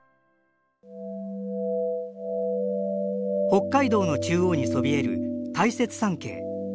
北海道の中央にそびえる大雪山系。